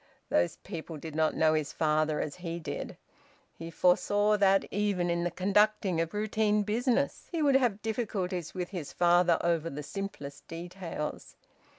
Those people did not know his father as he did. He foresaw that, even in conducting the routine of business, he would have difficulties with his father over the simplest details.